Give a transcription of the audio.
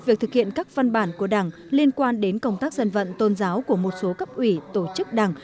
việc thực hiện các văn bản của đảng liên quan đến công tác dân vận tôn giáo của một số cấp ủy tổ chức đảng